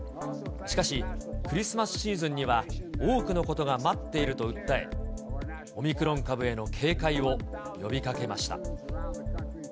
しかしクリスマスシーズンには、多くのことが待っていると訴え、オミクロン株への警戒を呼びかけました。